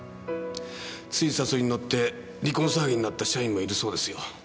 つい誘いに乗って離婚騒ぎになった社員もいるそうですよ。